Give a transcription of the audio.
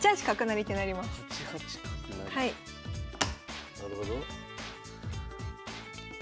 なるほど。